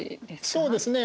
そうですね